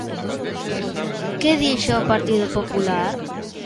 ¿Que dixo o Partido Popular?